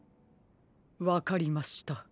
わかりました。